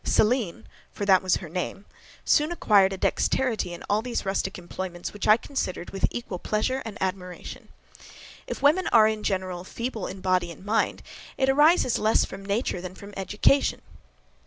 Selene, for that was her name, soon acquired a dexterity in all these rustic employments which I considered with equal pleasure and admiration. If women are in general feeble both in body and mind, it arises less from nature than from education.